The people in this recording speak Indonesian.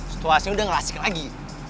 situasinya udah ngelasik lagi